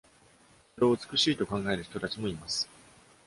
それを美しいと考える人たちもいます。